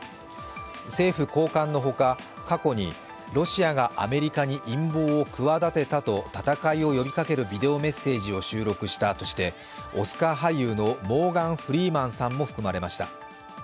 政府高官のほか、過去にロシアがアメリカに陰謀を企てたとして戦いを呼びかけるビデオメッセージを収録したとして、オスカー俳優のモーガン・フリーマンさんも含まれました。